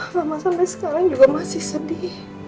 mama sampai sekarang juga masih sedih